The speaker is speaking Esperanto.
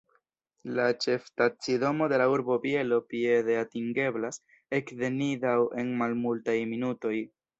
La ĉefstacidomo de la urbo Bielo piede atingeblas ek de Nidau en malmultaj minutoj.